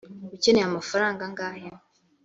ukeneye amafaranga angahe